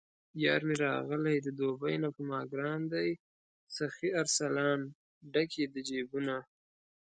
یارمې راغلی د دوبۍ نه په ماګران دی سخي ارسلان، ډک یې د جېبونه